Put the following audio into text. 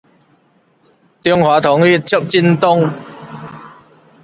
中華統一促進黨